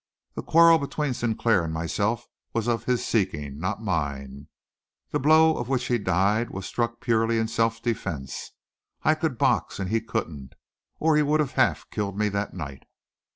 The quarrel between Sinclair and myself was of his seeking not mine. The blow of which he died was struck purely in self defence. I could box and he couldn't, or he would have half killed me that night."